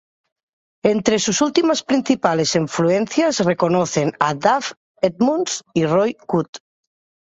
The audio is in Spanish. Entre sus principales influencias reconocen a Dave Edmunds y Roy Wood.